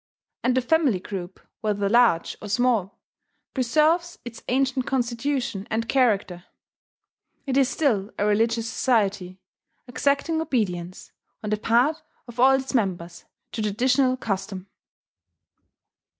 And the family group, whether large or small, preserves its ancient constitution and character; it is still a religious society, exacting obedience, on the part of all its members, to traditional custom.